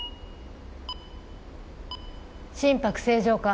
心拍正常化。